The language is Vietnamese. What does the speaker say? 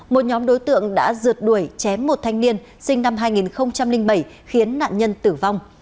một nhóm đối tượng đã rượt đuổi chém một thanh niên sinh năm hai nghìn bảy khiến nạn nhân tử vong